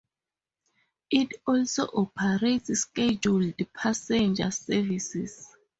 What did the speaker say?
It also operates scheduled passenger services.